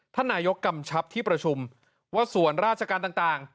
ท่านนายกกำชับที่ประชุมว่าส่วนราชการต่าง